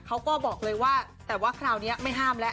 เขาก็บอกเลยว่าแต่ว่าคราวนี้ไม่ห้ามแล้ว